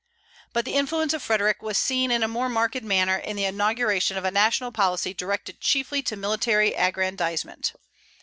But the influence of Frederic was seen in a more marked manner in the inauguration of a national policy directed chiefly to military aggrandizement.